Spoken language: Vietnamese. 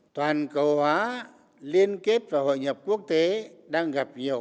trong lúc này toàn cầu hóa liên kết và hội nhập quốc tế đang gặp nhiều